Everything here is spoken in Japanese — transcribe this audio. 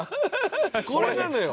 これなのよ！